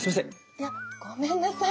いやごめんなさい。